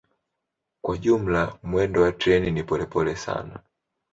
Kwa jumla mwendo wa treni ni polepole sana.